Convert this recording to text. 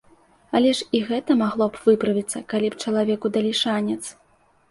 Але ж і гэта магло б выправіцца, калі б чалавеку далі шанец.